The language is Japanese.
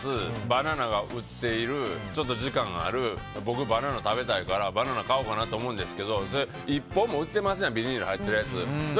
バナナが売っているちょっと時間がある僕、バナナ食べたいからバナナ買おうと思うんですけど１本でも売ってますやんビニール入ってるやつ。